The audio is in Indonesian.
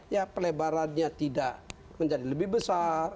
ya pelebarannya tidak menjadi lebih besar